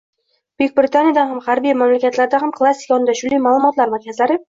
Buyuk Britaniyada ham, gʻarbiy mamlakatlarda ham klassik yondashuvli maʼlumotlar markazlari